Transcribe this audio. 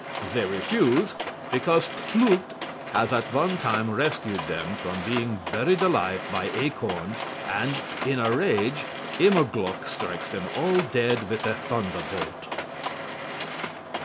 They refuse, because Pflucht has at one time rescued them from being buried alive by acorns, and, in a rage, Immerglück strikes them all dead with a thunderbolt.